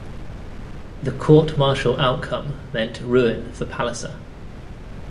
The court-martial outcome meant ruin for Palliser.